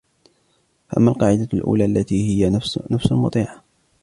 فَأَمَّا الْقَاعِدَةُ الْأُولَى الَّتِي هِيَ نَفْسٌ مُطِيعَةٌ